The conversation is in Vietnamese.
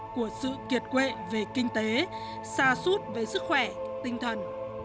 của sự kiệt quệ về kinh tế xa xút với sức khỏe tinh thần